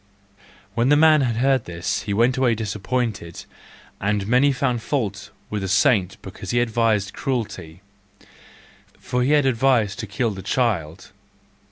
—When the man had heard this he went away disappointed; and many found fault with the saint because he had advised cruelty, for he had advised to kill the child.